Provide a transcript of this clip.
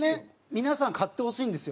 皆さん、買ってほしいんですよ。